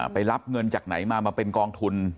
ไปรับเงินจากไหนมามาเป็นกองทุน